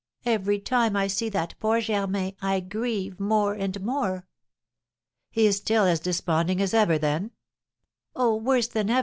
Every time I see that poor Germain, I grieve more and more." "He is still as desponding as ever, then?" "Oh, worse than ever, M.